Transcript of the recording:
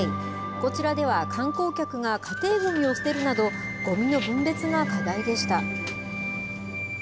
こちらでは観光客が家庭ごみを捨てるなど、ごみの分別が課題でした。